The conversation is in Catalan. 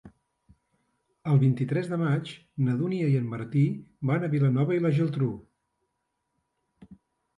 El vint-i-tres de maig na Dúnia i en Martí van a Vilanova i la Geltrú.